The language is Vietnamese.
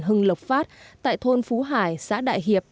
hưng lộc phát tại thôn phú hải xã đại hiệp